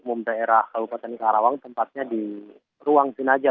umum daerah kabupaten karawang tempatnya di ruang pinajah